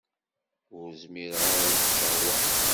Ur zmireɣ ara ad ččeɣ wa.